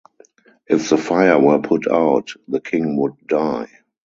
If the fire were put out, the king would die.